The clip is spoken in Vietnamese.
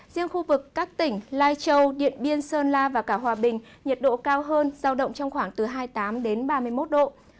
riêng khu vực các tỉnh lai châu điện biên sơn la và cả hòa bình nhiệt độ cao hơn giao động trong khoảng từ hai mươi tám đến ba mươi một độ